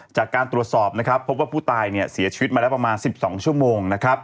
จากการตรวจสอบนะครับพบว่าผู้ตายเสียชีวิตมาแล้วประมาณ๑๒ชั่วโมงนะครับ